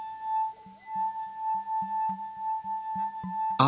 あ！